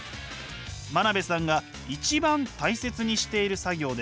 真鍋さんが一番大切にしている作業です。